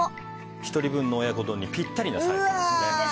１人分の親子丼にピッタリのサイズですね。